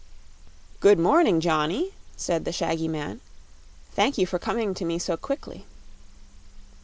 "Good morning, Johnny," said the shaggy man. "Thank you for coming to me so quickly."